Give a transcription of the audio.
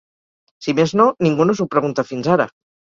Si més no, ningú no s’ho pregunta fins ara.